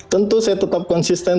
tentu saya tetap konsisten